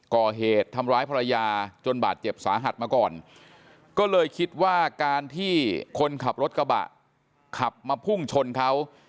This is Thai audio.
ก่อเหตุทำร้ายภรรยาจนบาดเจ็บสาหัสมาก่อนก็เลยคิดว่าการที่คนขับรถกระบะขับมาพุ่งชนเขา